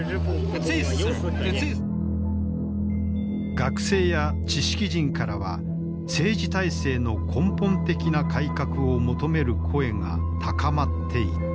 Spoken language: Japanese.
学生や知識人からは政治体制の根本的な改革を求める声が高まっていった。